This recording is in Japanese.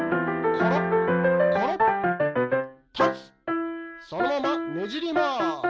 そのままねじりまーす。